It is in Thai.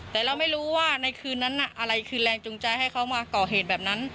แต่เราไม่รู้ว่าในคืนนั้นอะไรคือแรงจูงใจให้เขามาก่อเหตุแบบนั้น